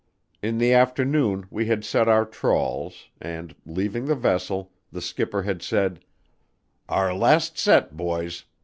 In the afternoon we had set our trawls, and, leaving the vessel, the skipper had said, "Our last set, boys.